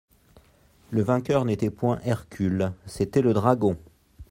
Le vainqueur n'était point Hercule, c'était le Dragon.